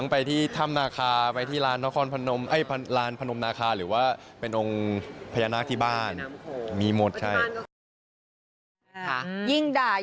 อาจจะไปขอให้ละครได้ดี